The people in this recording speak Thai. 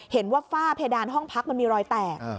เห็นว่าฝ้าเพดานห้องพักมันมีรอยแตก